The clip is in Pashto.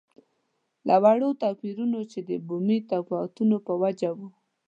له وړو توپیرونو چې د بومي تفاوتونو په وجه وو.